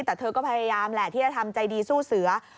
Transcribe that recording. แต่เธอก็พยายามแหละที่จะทำใจดีสู้เสือ